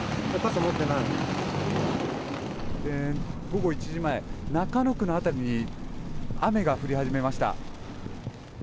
午後１時前中野区の辺りに雨が降り始めました。